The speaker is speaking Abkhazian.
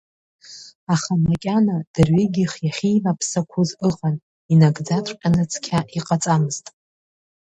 Аха макьана, дырҩегьых иахьеимаԥсақәоз ыҟан, инагӡаҵәҟьаны цқьа иҟаҵамызт.